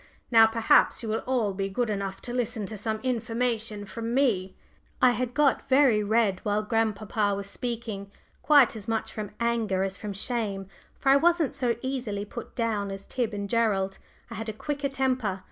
Now perhaps you will all be good enough to listen to some information from me." I had got very red while grandpapa was speaking, quite as much from anger as from shame, for I wasn't so easily put down as Tib and Gerald; I had a quicker temper.